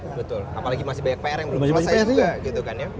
apalagi masih banyak pr yang belum selesai juga